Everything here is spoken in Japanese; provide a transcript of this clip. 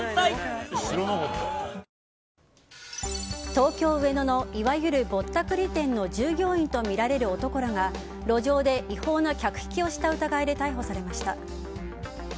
東京・上野のいわゆるぼったくり店の従業員とみられる男らが路上で違法な客引きをした疑いで逮捕されました。